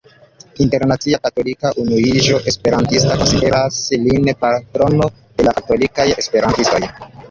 Internacia Katolika Unuiĝo Esperantista konsideras lin patrono de la katolikaj esperantistoj.